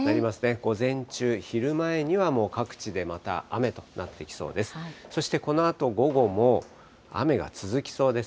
午前中、昼前には、もう各地でまた雨となってきそうです。